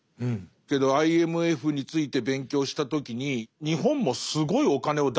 けどＩＭＦについて勉強した時に日本もすごいお金を出していると。